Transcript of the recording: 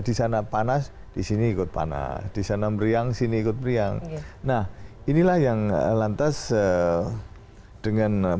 di sana panas disini ikut panas di sana meriang sini ikut meriang nah inilah yang lantas dengan